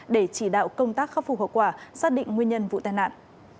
để chỉ đạo công tác khắc phục hậu quả xác định nguyên nhân vụ tai nạn